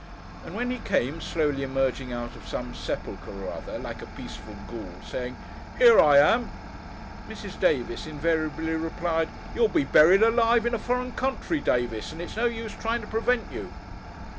And when he came, slowly emerging out of some sepulchre or other, like a peaceful Ghoule, saying 'Here I am!' Mrs. Davis invariably replied, 'You'll be buried alive in a foreign country, Davis, and it's no use trying to prevent you!